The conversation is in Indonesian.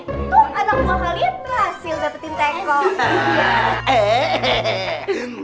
tuh anak buah kalian berhasil dapetin teko